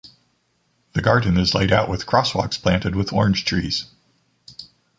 The garden is laid out with crosswalks planted with orange-trees.